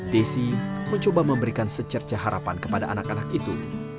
desi mencoba memberikan secerca harapan kepada anak anak itu